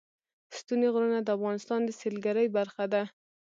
ستوني غرونه د افغانستان د سیلګرۍ برخه ده.